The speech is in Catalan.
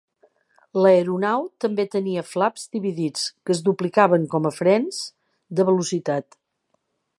L'aeronau també tenia flaps dividits, que es duplicaven com a frens de velocitat.